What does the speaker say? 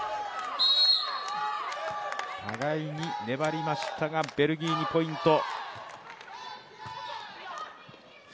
互いに粘りましたがベルギーにポイント。